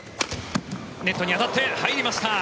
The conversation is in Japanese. ネットに当たって、入りました。